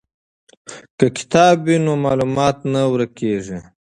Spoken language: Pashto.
که کتاب وي نو معلومات نه ورک کیږي.